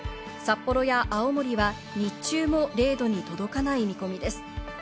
札幌や青森は日中も０度に届かない見込みです。